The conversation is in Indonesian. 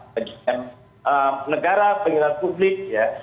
bagi negara pengelolaan publik